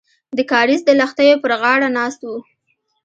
د کاریز د لښتیو پر غاړه ناست وو.